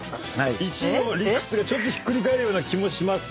１の理屈がひっくり返るような気もしますが。